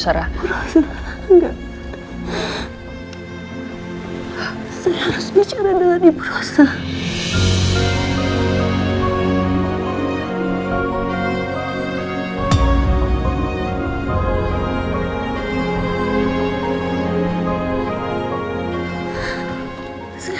waalaikumsalam warahmatullahi wabarakatuh